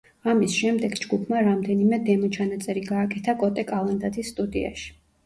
ამის შემდეგ ჯგუფმა რამდენიმე დემო ჩანაწერი გააკეთა კოტე კალანდაძის სტუდიაში.